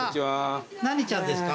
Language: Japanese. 何ちゃんですか？